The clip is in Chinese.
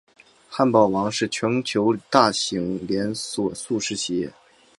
汉堡王是全球大型连锁速食企业。